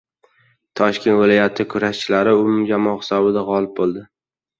Toshkent viloyati kurashchilari umumjamoa hisobida g‘olib bo‘ldi